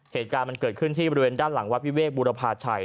เหตุการณ์มันเกิดขึ้นที่บริเวณด้านหลังวัดวิเวกบุรพาชัย